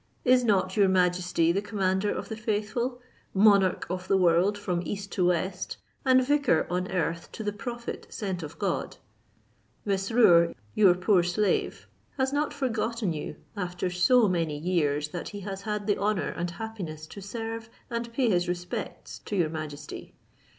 Is not your majesty the commander of the faithful, monarch of the world from east to west, and vicar on earth to the prophet sent of God? Mesrour, your poor slave, has not forgotten you, after so many years that he has had the honour and happiness to serve and pay his respects to your majesty.